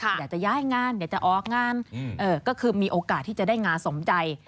อยากจะย้ายงานอยากจะออกงานก็คือมีโอกาสที่จะได้งานสมใจ